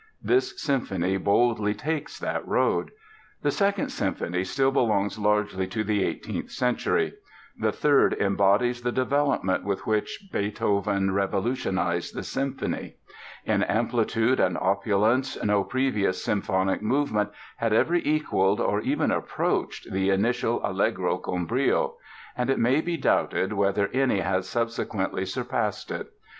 This symphony boldly takes that road. The Second Symphony still belongs largely to the eighteenth century. The Third embodies the developments with which Beethoven revolutionized the symphony. In amplitude and opulence no previous symphonic movement had ever equalled or even approached the initial "Allegro con brio," and it may be doubted whether any has subsequently surpassed it.